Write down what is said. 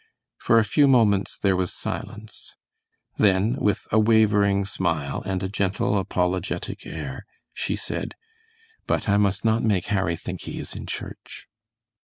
For a few moments there was silence; then, with a wavering smile, and a gentle, apologetic air, she said: "But I must not make Harry think he is in church."